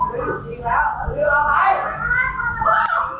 อรึงอิ่งแล้วเอาไป